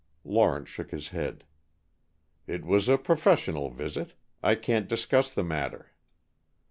Lawrence shook his head. "It was a professional visit. I can't discuss the matter."